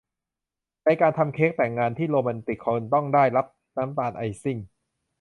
ในการทำเค้กแต่งงานที่โรแมนติกคุณต้องได้รับน้ำตาลไอซิ่ง